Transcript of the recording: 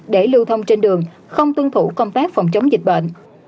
để lưu thông trên đường không tuân thủ công tác phòng chống dịch bệnh